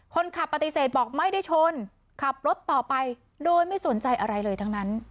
คนขับปฏิเสธบอกไม่ได้ชนขับรถต่อไปโดยไม่สนใจอะไรเลยทั้งนั้น